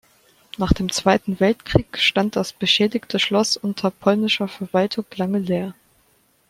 Nach dem Zweiten Weltkrieg stand das beschädigte Schloss unter polnischer Verwaltung lange leer.